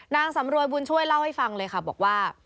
นางสำรวยบุญช่วยเล่าให้ฟังเลยค่ะบอกว่า